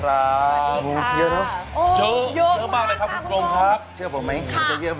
ยังมีโอกาสใช่มั้ยครับ